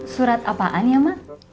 surat apaan ya emak